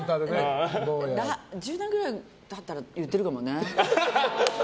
１０年ぐらい経ったら言ってるかもね。